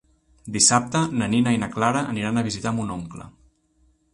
Dissabte na Nina i na Clara aniran a visitar mon oncle.